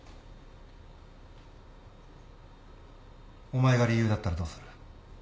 お前が理由だったらどうする？